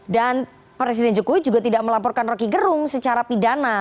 dan presiden jokowi juga tidak melaporkan rokigerung secara pidana